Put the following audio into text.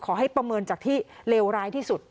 ประเมินจากที่เลวร้ายที่สุด